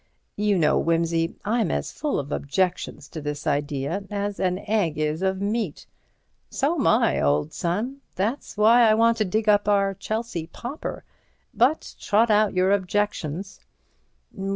"You know, Wimsey, I'm as full of objections to this idea as an egg is of meat." "So'm I, old son. That's why I want to dig up our Chelsea pauper. But trot out your objections."